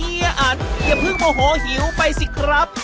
อันอย่าเพิ่งโมโหหิวไปสิครับ